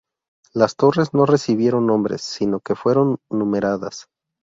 Las torres no recibieron nombres, sino que fueron numeradas.